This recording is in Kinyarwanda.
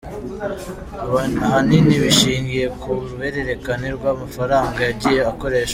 Ahanini bishingiye ku ruhererekane rw’amafaranga yagiye akoreshwa.